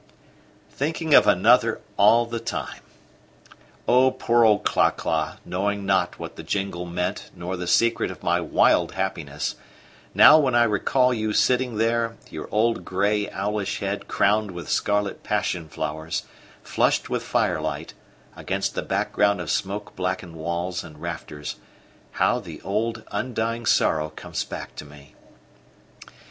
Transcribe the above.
Thinking of another all the time! O poor old Cla cla, knowing not what the jingle meant nor the secret of my wild happiness, now when I recall you sitting there, your old grey owlish head crowned with scarlet passion flowers, flushed with firelight, against the background of smoke blackened walls and rafters, how the old undying sorrow comes back to me!